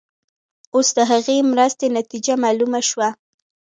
اوس د هغې مرستې نتیجه معلومه شوه.